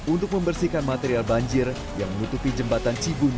untuk membersihkan material banjir yang menutupi jembatan cibung